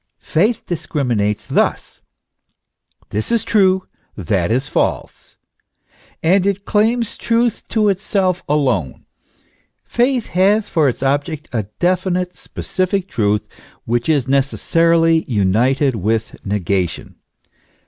Faith discriminates thus : This is true, that is false. And it claims truth to itself alone. Faith has for its object a definite, specific truth, which is necessarily united with nega tion.